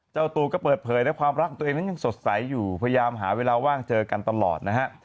เจ้าตัวก็เปิดเผยและความรักของตัวเองนั้นยังสดใสอยู่พยายามหาเวลาว่างเจอกันตลอดนะฮะ